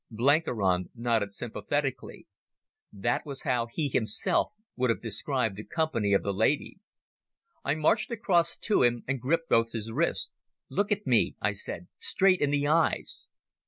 Blenkiron nodded sympathetically. That was how he himself would have described the company of the lady. I marched across to him and gripped both his wrists. "Look at me," I said, "straight in the eyes."